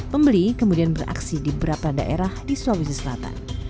pembeli kemudian beraksi di beberapa daerah di sulawesi selatan